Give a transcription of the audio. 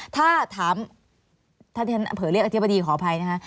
ถ้าถามถ้าที่ฉันเผลอเรียกอธิบดีขออภัยนะคะ